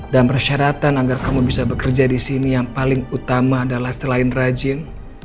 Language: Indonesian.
dan persyaratan agar kamu bisa bekerja di sini yang paling utama adalah selain rajin